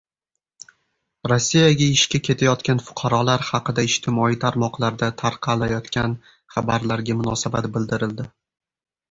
Rossiyaga ishga ketayotgan fuqarolar haqida ijtimoiy tarmoqlarda tarqalayotgan xabarlarga munosabat bildirildi